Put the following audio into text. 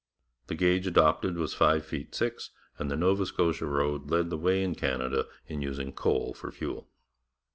The gauge adopted was five feet six, and the Nova Scotia road led the way in Canada in using coal for fuel.